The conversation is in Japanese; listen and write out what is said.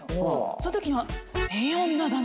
そのときに。